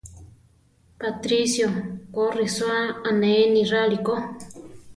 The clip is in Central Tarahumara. Patricio ko risóa ané niráli ko.